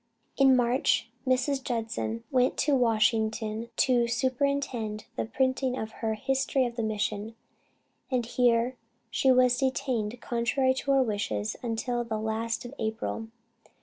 In March, Mrs. Judson went to Washington to superintend the printing of her History of the Mission, and here she was detained contrary to her wishes until the last of April.